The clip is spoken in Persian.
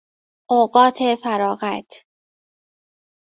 اوقات فراغت